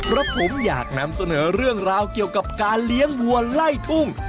และผมอยากนำเสนอเรื่องราวเกี่ยวกับการเลี้ยงวัวไล่ทุ่ง